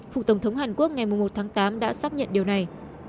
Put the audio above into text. phục tổng thống hàn quốc ngày một tháng tám đã xác nhận điều này